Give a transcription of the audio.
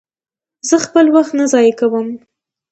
زه خپل وخت نه ضایع کوم.